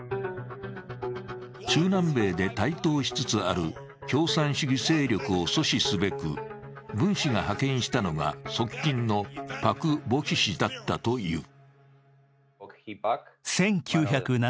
中南米で台頭しつつある共産主義勢力を阻止すべく文氏が派遣したのが側近のパク・ポヒ氏だったという。